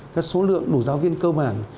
các số lượng đủ giáo viên cơ bản